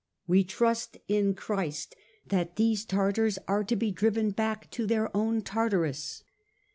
.. We trust in Christ FIRE AND SWORD 189 that these Tartars are to be driven back to their own Tartarus.